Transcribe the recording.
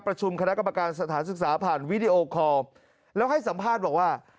ประชุมคณะกรรมการสถานศึกษาผ่านวีดีโอคอลแล้วให้สัมภาษณ์บอกว่า